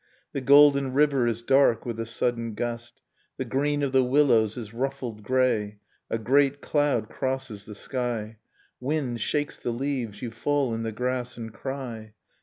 The golden river is dark with a sudden gust. The green of the willows is ruffled grey, A great cloud crosses the sky. Wind shakes the leaves, you fall in the grass and cry.